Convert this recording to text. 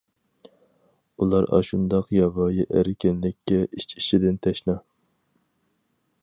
ئۇلار ئاشۇنداق ياۋايى ئەركىنلىككە ئىچ-ئىچىدىن تەشنا.